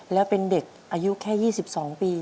แล้วเป็นเด็กอายุแค่๒๒ปี